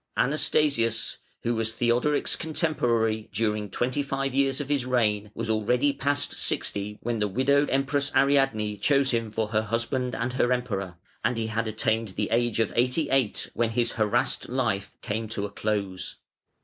Anastasius, who was Theodoric's contemporary during twenty five years of his reign, was already past sixty when the widowed Empress Ariadne chose him for her husband and her Emperor, and he had attained the age of eighty eight when his harassed life came to a close.